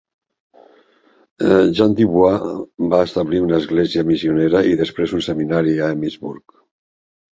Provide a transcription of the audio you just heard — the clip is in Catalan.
Jean Dubois va establir una església missionera i després un seminari a Emmitsburg.